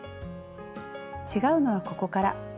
違うのはここから。